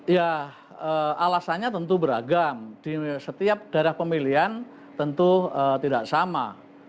ya alasannya tentu beragam di setiap daerah pemilihan tentu tidak sama